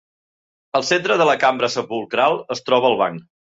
Al centre de la cambra sepulcral es troba el banc.